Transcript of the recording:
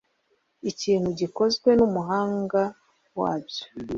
ikintu gikozwe n’umuhanga wabyo